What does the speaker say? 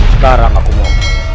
sekarang aku mau